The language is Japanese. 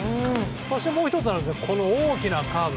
そしてもう１つこの大きなカーブ。